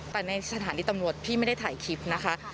แต่ในสถานีตำรวจพี่ไม่ได้ถ่ายคลิปนะคะ